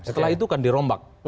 setelah itu kan dirombak